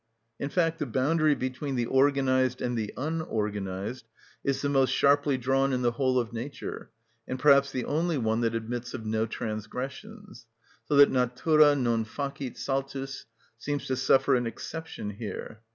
In fact, the boundary between the organised and the unorganised is the most sharply drawn in the whole of nature, and perhaps the only one that admits of no transgressions; so that natura non facit saltus seems to suffer an exception here.